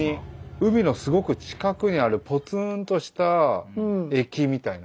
海のすごく近くにあるぽつんとした駅みたいな。